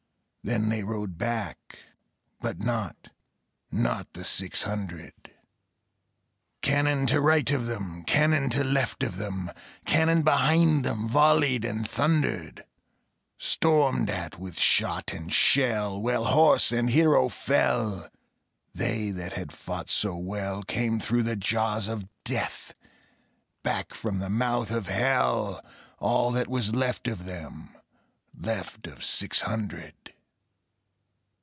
Then they rode back, but not Not the six hundred. Cannon to right of them, Cannon to left of them, Cannon behind them Volleyed and thundered: Stormed at with shot and shell, While horse and hero fell, They that had fought so well Came through the jaws of Death Back from the mouth of Hell All that was left of them, Left of six hundred.